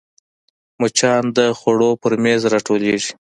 مچان د خوړو پر میز راټولېږي